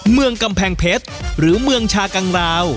เมืองกำแพงเพชรหรือเมืองชากังราว